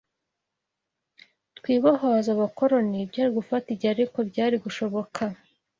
twibohoze abakoloni’, byari gufata igihe ariko byari gushoboka